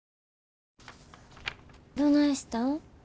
どないしたん？